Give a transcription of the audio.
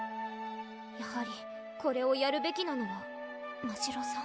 やはりこれをやるべきなのはましろさん